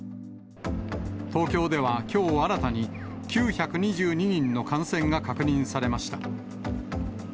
東京ではきょう新たに、９２２人の感染が確認されました。